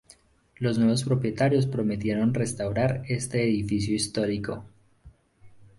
Los nuevos propietarios prometieron restaurar este edificio histórico.